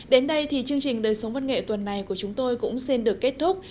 đến đây thì chương trình đời sống văn nghệ tuần này của chúng tôi cũng xin được kết thúc